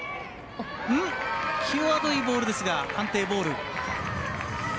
際どいボールですが判定はボール。